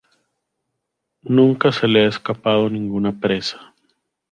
Nunca se le ha escapado ninguna presa.